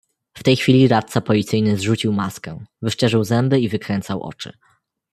"W tej chwili radca policyjny zrzucił maskę: wyszczerzył zęby i wykręcał oczy."